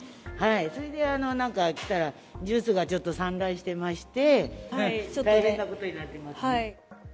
それで来たらジュースが散乱してまして、大変なことになってます。